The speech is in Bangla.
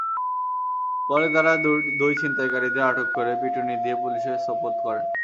পরে তাঁরা দুই ছিনতাইকারীদের আটক করে পিটুনি দিয়ে পুলিশে সোপর্দ করেন।